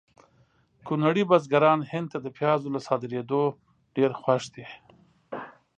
کونړ بزګران هند ته د پیازو له صادریدو ډېر خوښ دي